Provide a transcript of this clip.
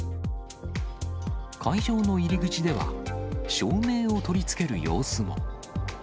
会場の入り口では、照明を取り付ける様子も。